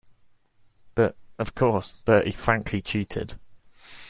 But, of course, Bertie frankly cheated.